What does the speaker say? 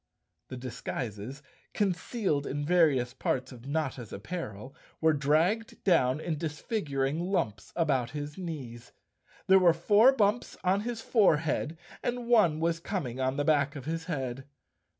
The disguises, concealed in various parts of Notta's apparel, were dragged down in disfiguring lumps about his knees. There were four bumps on his forehead and one was coming on the back of his head.